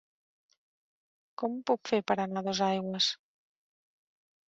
Com ho puc fer per anar a Dosaigües?